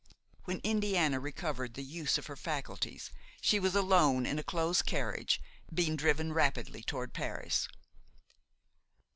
When Indiana recovered the use of her faculties she was alone in a close carriage, being driven rapidly toward Paris.